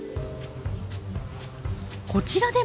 こちらでも。